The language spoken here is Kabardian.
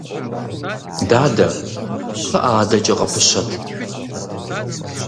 Дадэ, кхъыӀэ, адэкӀэ къыпыщэт.